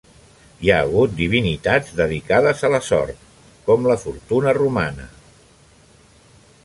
Hi ha hagut divinitats dedicades a la sort, com la Fortuna romana.